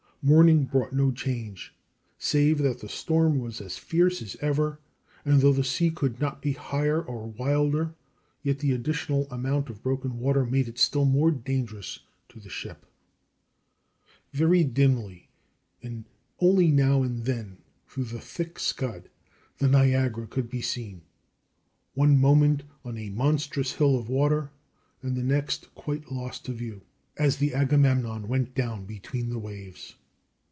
Morning brought no change, save that the storm was as fierce as ever, and though the sea could not be higher or wilder, yet the additional amount of broken water made it still more dangerous to the ship. Very dimly, and only now and then through the thick scud, the Niagara could be seen one moment on a monstrous hill of water, and the next quite lost to view, as the Agamemnon went down between the waves.